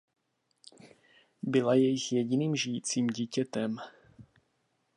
Byla jejich jediným žijícím dítětem.